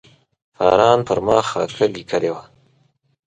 فاران پر ما خاکه لیکلې وه.